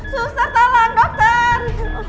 susah talang dokter